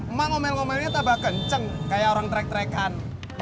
emang omel omelnya tambah kenceng kayak orang trek trek an